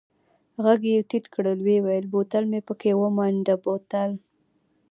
ږغ يې ټيټ کړ ويې ويل بوتل مې پکښې ومنډه بوتل.